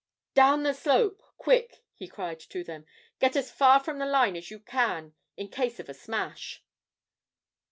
'Down the slope, quick,' he cried to them; 'get as far from the line as you can in case of a smash.'